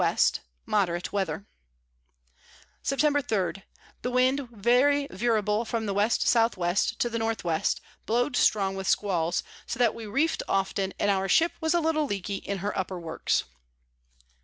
Moderate Weather. Septemb. 3. The Wind very veerable from the W S W. to the N W. blow'd strong with Squalls, so that we reef'd often, and our Ship was a little leaky in her upper Works.